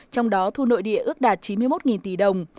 trong đó thu nội địa ước đạt chín mươi một tỷ đồng